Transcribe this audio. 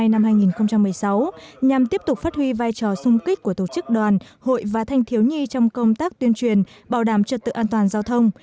năm hai nghìn một mươi sáu nhằm tiếp tục phát huy vai trò sung kích của tổ chức đoàn hội và thanh thiếu nhi trong công tác tuyên truyền bảo đảm trật tự an toàn giao thông